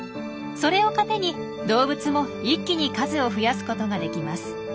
それを糧に動物も一気に数を増やすことができます。